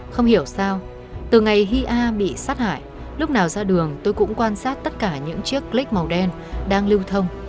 không hiểu sao từ ngày hi a bị sát hại lúc nào ra đường tôi cũng quan sát tất cả những chiếc click màu đen đang lưu thông